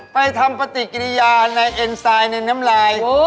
ทำปฏิกิริยาในเอ็นไซด์ในน้ำลาย